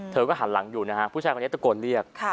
เธอก็หันหลังอยู่นะฮะผู้ชายคนนี้ตะโกนเรียก